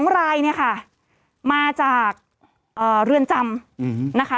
๒รายนี่มาจากเรือนจำ